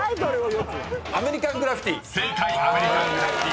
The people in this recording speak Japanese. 「アメリカン・グラフィティ」